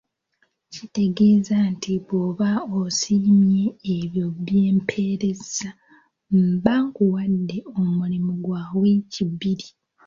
Kitegeeza nti bw'oba obisiimye ebyo bye mpeerezza, mba nkuwadde omulimu gwa wiiki bbiri.